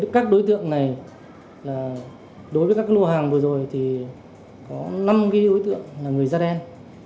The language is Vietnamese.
các đối tượng này đối với các lô hàng vừa rồi thì có năm đối tượng là người da đen